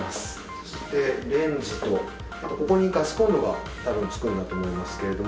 そして、レンジとここにガスコンロがたぶん付くんだと思いますけれども。